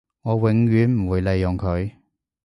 我永遠唔會利用佢